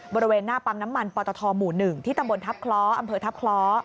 บริเวณหน้าปั๊มน้ำมันปตทหมู่๑ที่ตำบลทัพคล้ออำเภอทัพคล้อ